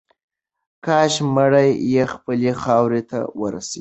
کاش مړی یې خپلې خاورې ته ورسیږي.